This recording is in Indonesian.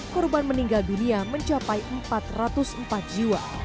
korban meninggal dunia mencapai empat ratus empat jiwa